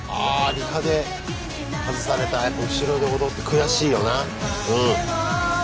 リハで外された後ろで踊って悔しいよな。